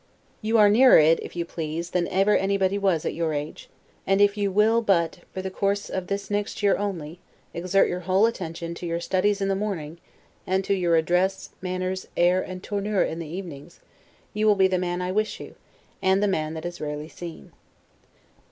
You are nearer it, if you please, than ever anybody was at your age; and if you will but, for the course of this next year only, exert your whole attention to your studies in the morning, and to your address, manners, air and tournure in the evenings, you will be the man I wish you, and the man that is rarely seen.